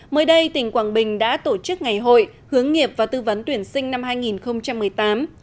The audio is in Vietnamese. mới đây tỉnh quảng bình đã tổ chức ngày hội hướng nghiệp và tư vấn tuyển sinh năm hai nghìn một mươi tám